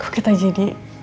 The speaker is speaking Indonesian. kok kita jadi